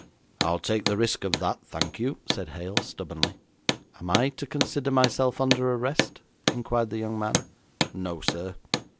'I'll take the risk of that, thank you,' said Hale stubbornly. 'Am I to consider myself under arrest?' inquired the young man. 'No, sir.'